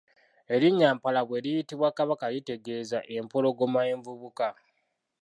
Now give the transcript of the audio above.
Erinnya Mpalabwa eriyitibwa Kabaka litegeeza "empologoma envubuka".